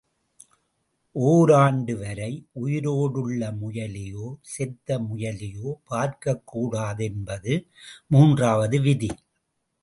ஓராண்டுவரை உயிரோடுள்ள முயலையோ செத்த முயலையோ பார்க்கக் கூடாது என்பது மூன்றாவது விதி.